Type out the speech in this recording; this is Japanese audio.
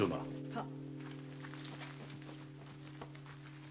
はっ。